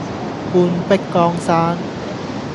半壁江山